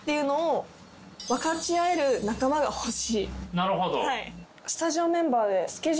なるほど。